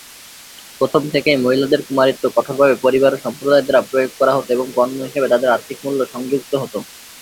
প্রথম থেকেই, মহিলাদের কুমারীত্ব কঠোরভাবে পরিবার ও সম্প্রদায় দ্বারা প্রয়োগ করা হতো এবং পণ্য হিসাবে তাদের আর্থিক মূল্য সংযুক্ত হত।